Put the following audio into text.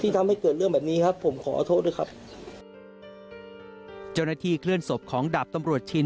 เจ้าหน้าที่เคลื่อนศพของดับตำรวจชิน